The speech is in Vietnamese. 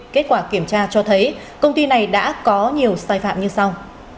kết quả kiểm tra cho thấy công ty này đã có nhiều sai phạm như sau